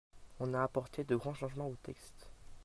On a apporté de grands changements au texte.